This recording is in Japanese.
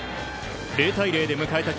０対０で迎えた